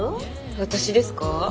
私ですか？